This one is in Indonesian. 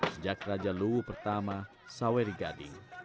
sejak raja luwu pertama saweri gading